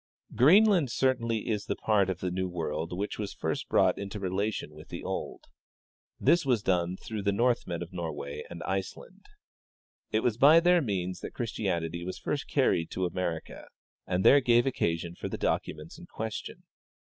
" Greenland certainly is the part of the new world which was first brought into relation with the old. This was done through the Northmen of Norway and Iceland. It was by their means that Christianity was first carried to America and there gave occasion for the documents in question.